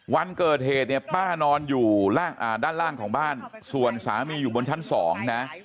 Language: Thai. วันเกิดเหตุเนี่ยป้านอนอยู่ด้านล่างของบ้านส่วนสามีอยู่บนชั้น๒นะ